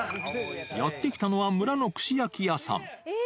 やって来たのは、村の串焼き屋さん。